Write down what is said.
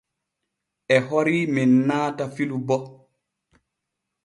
E hori men naata filu bo.